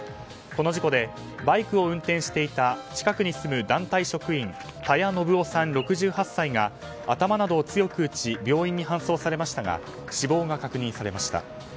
この事故でバイクを運転していた近くに住む団体職員田矢伸雄さん、６８歳が頭などを強く打ち病院に搬送されましたが死亡が確認されました。